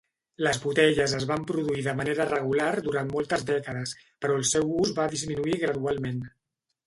Les botelles es van produir de manera regular durant moltes dècades, però el seu ús va disminuir gradualment.